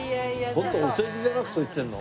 ホントお世辞じゃなくそう言ってるの？